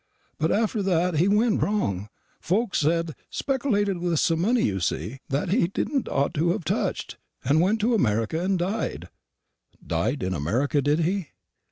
But after that he went wrong, folks said speckilated with some money, you see, that he didn't ought to have touched and went to America, and died." "Died in America, did he?